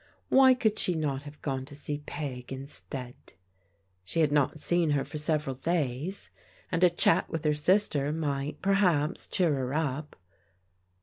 Why could she not have gone to see Peg instead ? She had not seen her for sev eral days, and a chat with her sister might, perhaps, cheer her up.